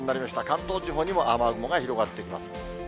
関東地方にも雨雲が広がってきます。